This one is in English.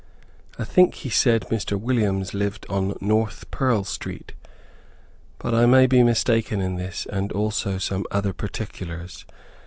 I think he said Mr. Williams lived on North Pearl street, but I may be mistaken in this and also in some other particulars.